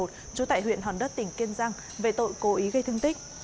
trú tại huyện hòn đất tỉnh kiên giang về tội cố ý gây thương tích